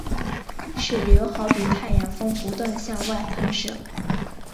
水流好比太阳风不断向外喷射。